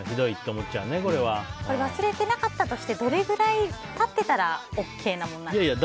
忘れてなかったとしてどれぐらい経ってたらＯＫなものですか？